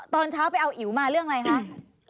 ตอนเช้าไปเอาอิ๋วมาเรื่องอะไรคะ